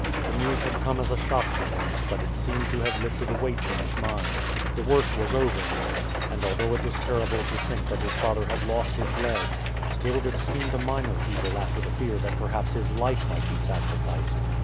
The news had come as a shock to him, but it seemed to have lifted a weight from his mind. The worst was over now; and although it was terrible to think that his father had lost his leg, still this seemed a minor evil after the fear that perhaps his life might be sacrificed.